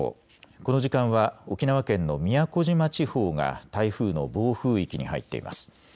この時間は沖縄県の宮古島地方が台風の暴風域に入っています。